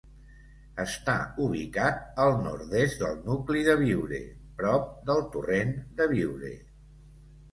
Està ubicat al nord-est del nucli de Biure, prop del torrent de Biure.